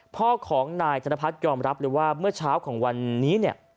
พ่อของนายธนพัฒน์ยอมรับเลยว่าเมื่อเช้าของวันนี้เนี่ย